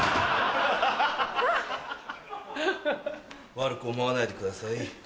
悪く思わないでください。